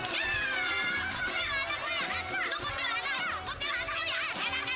gua lamuk dulu nih